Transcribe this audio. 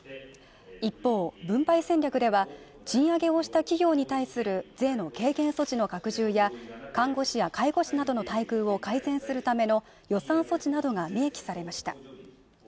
一方、分配戦略では賃上げをした企業に対する税の軽減措置の拡充や看護師や介護士などの待遇を改善するための予算措置などが明記されました。